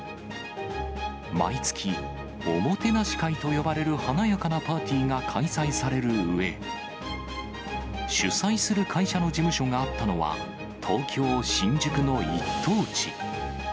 毎月おもてなし会と呼ばれる華やかなパーティーが開催されるうえ、主催する会社の事務所があったのは、東京・新宿の一等地。